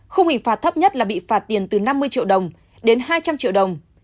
khung hình phạt thấp nhất là bị phạt tiền từ năm mươi triệu đồng đến hai trăm linh triệu đồng